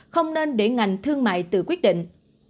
không nên để ngành thương mại tự quyết định